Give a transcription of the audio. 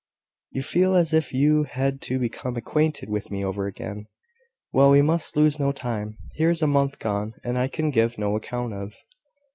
"You feel as if you had to become acquainted with me over again. Well, we must lose no time; here is a month gone that I can give no account of."